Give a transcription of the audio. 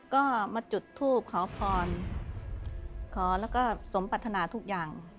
ก็มาจุดทูปขอพรขอแล้วก็สมปรัฐนาทุกอย่าง